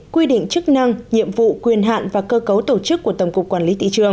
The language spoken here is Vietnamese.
quy định chức năng nhiệm vụ quyền hạn và cơ cấu tổ chức của tổng cục quản lý thị trường